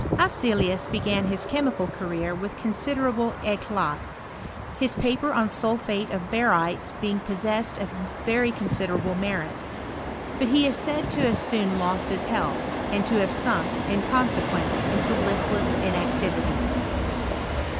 Afzelius began his chemical career with considerable eclat, his paper on sulphate of barytes being possessed of very considerable merit. But he is said to have soon lost his health, and to have sunk, in consequence, into listless inactivity.